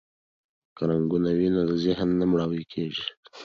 که رنګونه وي نو ذهن نه مړاوی کیږي.